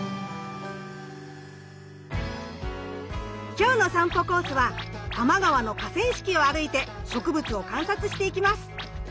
今日の散歩コースは多摩川の河川敷を歩いて植物を観察していきます。